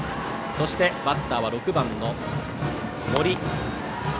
そしてバッターは６番の森。